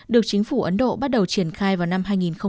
được chính phủ ấn độ bắt đầu triển khai vào năm hai nghìn một mươi